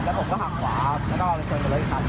แล้วเขาบักแสงแล้วผมก็หักขวา